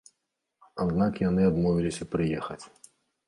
Аднак яны адмовіліся прыехаць.